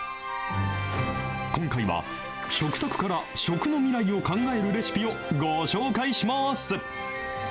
今回は食卓から食の未来を考えるレシピをご紹介します。